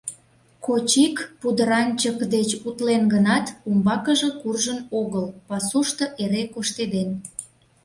Кочик пудыранчык деч утлен гынат, умбаке куржын огыл, пасушто эре коштеден.